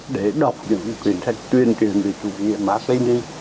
để đọc những quyển sách tuyên truyền về chủ nghĩa mạc linh